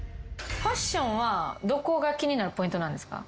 ファッションはどこが気になるポイントなんですか？